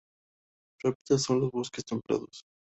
Su hábitat son los bosques templados.